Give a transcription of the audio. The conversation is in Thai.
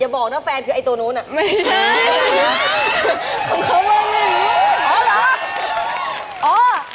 อย่าบอกถึงแฟนก็คือไอตัวนูนะ